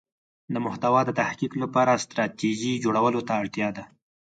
د محتوا د تحقق لپاره ستراتیژی جوړولو ته اړتیا ده.